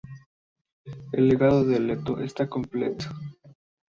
El legado de Leto está completo.